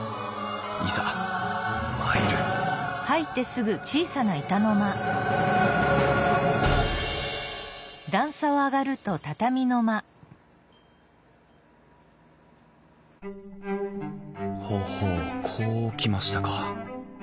いざ参るほほうこう来ましたか。